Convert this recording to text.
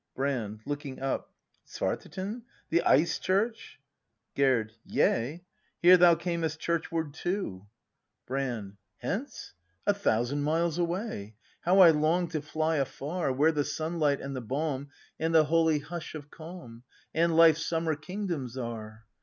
Brand. [Looking up.] Svartetind ? The ice church ! Gerd. Yea! Here thou earnest churchward, too! ACT V] BRAND 303 Brand. Hence! a thousand miles away! — How I long to fly afar, Where the sunhght and the balm And the holy hush of calm, And Life's summer kingdoms are!